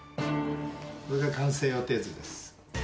これが完成予定図です。